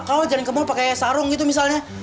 kau jalan ke mall pake sarung gitu misalnya